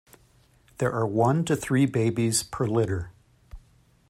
There are one to three babies per litter.